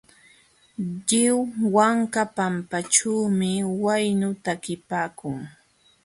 Lliw wanka pampaćhuumi waynu takipaakun.